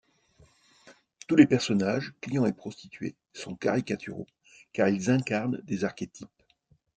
Tous les personnages, clients et prostituées, sont caricaturaux car ils incarnent des archétypes.